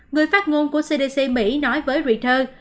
người phát ngôn của cdc mỹ nói với reuters